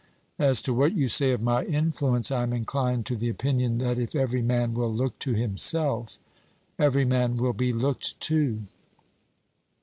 As to what you say of my influence, I am inclined to the opinion, that if every man will look to himself, every man will be looked to.